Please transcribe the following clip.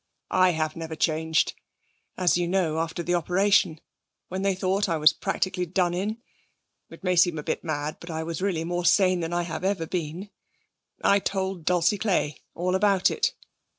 'I have never changed. As you know, after the operation, when they thought I was practically done in it may seem a bit mad, but I was really more sane than I have ever been I told Dulcie Clay all about it.'